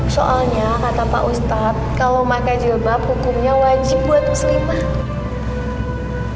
soalnya kata pak ustadz kalau makan jilbab hukumnya wajib buat muslimah